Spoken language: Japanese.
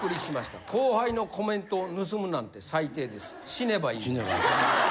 死ねばいいのに。